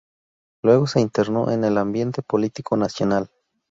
Luego se internó en el ambiente político nacional.